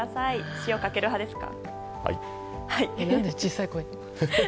塩かける派ですか？